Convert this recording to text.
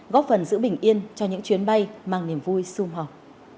góp phần giữ bình yên cho những chuyến bay mang niềm vui xung họp